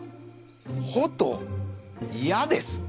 「ほ」と「や」です。